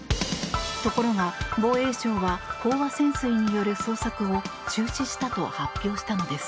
ところが、防衛省は飽和潜水による捜索を中止したと発表したのです。